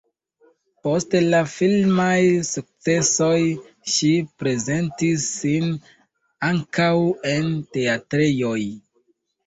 Post la filmaj sukcesoj ŝi prezentis sin ankaŭ en teatrejoj.